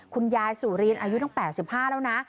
คุณยายสุรินอายุตั้ง๘๕แล้วนะ